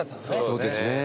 そうですね。